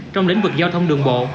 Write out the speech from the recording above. trong lĩnh vực giao thông đường bộ